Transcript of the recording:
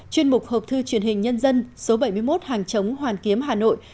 chuyên mục học thư truyền hình nhân dân số bảy mươi một hàng chống hoàn kiếm hà nội